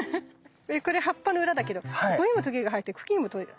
これ葉っぱの裏だけどここにもとげが生えて茎にもとげが。